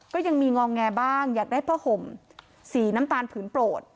ก็ยังมีงองแงบ้างอยากได้ผ้าห่มสีน้ำตาลผืนโปรด